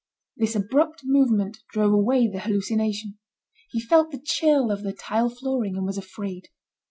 This abrupt movement drove away the hallucination. He felt the chill of the tile flooring, and was afraid.